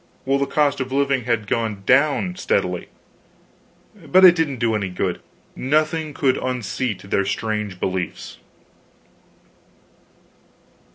while the cost of living had gone steadily down. But it didn't do any good. Nothing could unseat their strange beliefs.